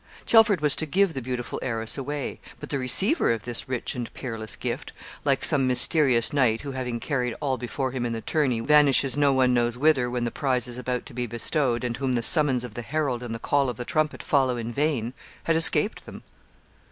Chelford was to give the beautiful heiress away. But the receiver of this rich and peerless gift like some mysterious knight who, having carried all before him in the tourney, vanishes no one knows whither, when the prize is about to be bestowed, and whom the summons of the herald and the call of the trumpet follow in vain had escaped them.